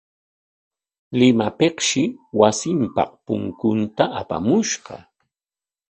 Limapikshi wasinpaq punkuta apamushqa.